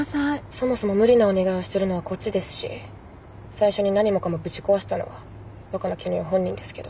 そもそも無理なお願いをしてるのはこっちですし最初に何もかもぶち壊したのは若菜絹代本人ですけど。